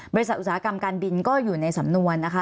อุตสาหกรรมการบินก็อยู่ในสำนวนนะคะ